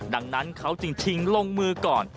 ดังนั้นเขาจึงชิงลงมือก่อน